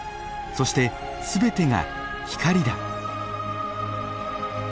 そして全てが光だ」。